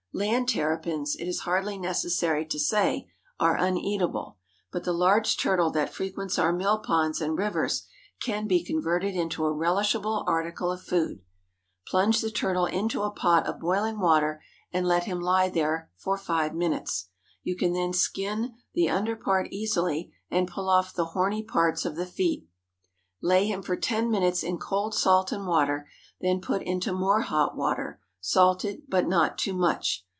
Land terrapins, it is hardly necessary to say, are uneatable, but the large turtle that frequents our mill ponds and rivers can be converted into a relishable article of food. Plunge the turtle into a pot of boiling water, and let him lie there five minutes. You can then skin the underpart easily, and pull off the horny parts of the feet. Lay him for ten minutes in cold salt and water; then put into more hot water—salted, but not too much.